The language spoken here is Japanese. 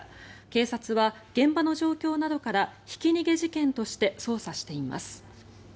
警察は現場の状況などからひき逃げ事件として捜査しています。